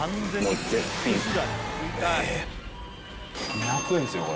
２００円ですよこれ。